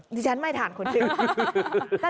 ดิฉันไม่ทานคนจริง